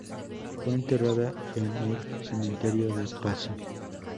Fue enterrada en el Cementerio de Passy.